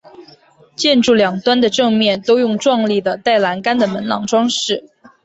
建筑两端的正面都用壮丽的带栏杆的门廊装饰。